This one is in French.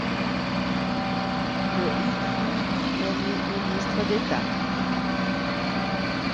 Le il fut nommé ministre d'État.